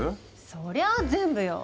そりゃあ全部よ。